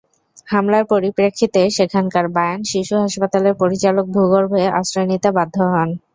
হামলার পরিপ্রেক্ষিতে সেখানকার বায়ান শিশু হাসপাতালের পরিচালক ভূগর্ভে আশ্রয় নিতে বাধ্য হন।